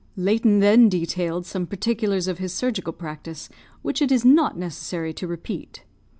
Layton then detailed some particulars of his surgical practice which it is not necessary to repeat.